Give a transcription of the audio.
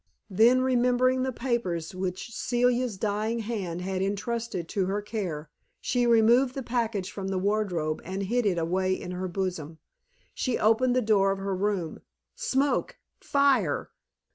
Then remembering the papers which Celia's dying hand had intrusted to her care, she removed the package from the wardrobe and hid it away in her bosom. She opened the door of her room. Smoke fire!